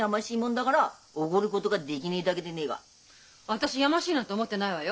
私やましいなんて思ってないわよ。